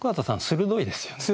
鋭いですよね。